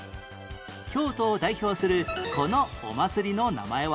京都を代表するこのお祭りの名前は？